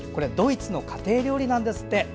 ドイツの家庭料理なんですって。